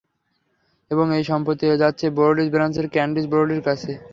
এবং এই সম্পত্তি যাচ্ছে ব্রডিস ব্রাঞ্চের ক্যান্ডিস ব্রডির কাছে।